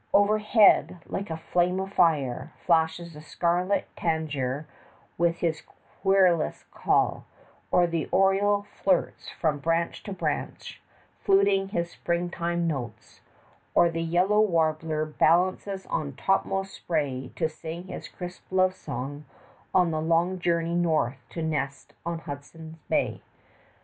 Overhead, like a flame of fire, flashes the scarlet tanager with his querulous call; or the oriole flits from branch to branch, fluting his springtime notes; or the yellow warbler balances on topmost spray to sing his crisp love song on the long journey north to nest on Hudson Bay.